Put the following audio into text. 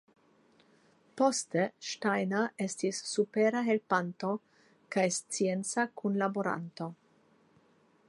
Poste Steiner estis supera helpanto kaj scienca kunlaboranto.